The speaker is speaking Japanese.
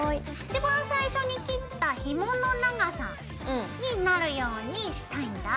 一番最初に切ったひもの長さになるようにしたいんだ。